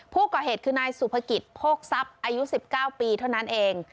ผู้ก่อเหตุคือนายสุภกิจโพกทรัพย์อายุ๑๙ปีเท่านั้นเอง